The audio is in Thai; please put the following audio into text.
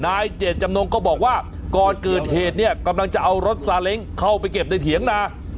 เจตจำนงก็บอกว่าก่อนเกิดเหตุเนี่ยกำลังจะเอารถซาเล้งเข้าไปเก็บในเถียงนา